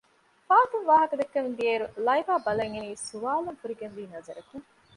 ފާތުން ވާހަކަ ދައްކަމުންދިޔައިރު ލައިބާ ބަލަންއިނީ ސުވާލުން ފުރިގެންވީ ނަޒަރަކުން